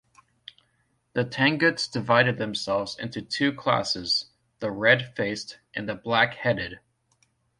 The Tanguts divided themselves into two classes: the "Red Faced" and the "Black Headed".